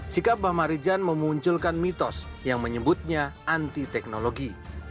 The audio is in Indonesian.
sikap bah marijan memunculkan mitos yang menyebutnya anti teknologi